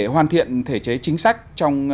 hoàn thiện thể chế chính sách trong